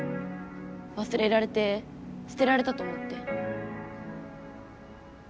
わすれられてすてられたと思って。